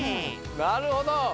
なるほど。